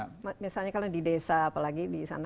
tapi bagi misalnya kalau di desa apalagi di sana